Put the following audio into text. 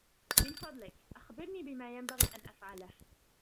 من فضلك ، أخبرني بما ينبغي أن أفعله.